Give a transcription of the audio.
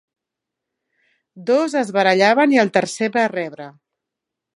Dos es barallaven i el tercer va rebre.